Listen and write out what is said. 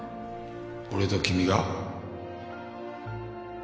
俺と君が？